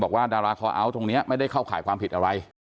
ดาราคอเอาท์ตรงนี้ไม่ได้เข้าข่ายความผิดอะไร